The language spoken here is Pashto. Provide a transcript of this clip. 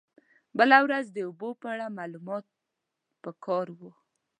بله ورځ د اوبو په اړه معلومات په کار و.